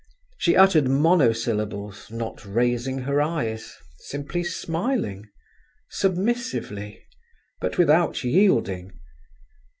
She uttered monosyllables, not raising her eyes, simply smiling—submissively, but without yielding.